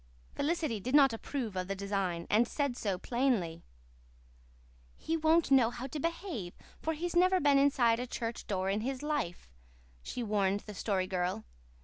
Felicity did not approve of the design, and said so plainly. "He won't know how to behave, for he's never been inside a church door in his life," she warned the Story Girl.